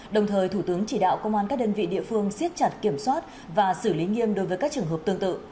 đồng thời thủ tướng chỉ đạo công an các đơn vị địa phương siết chặt kiểm soát và xử lý nghiêm đối với các trường hợp tương tự